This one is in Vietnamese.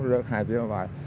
rất hai chiếc máy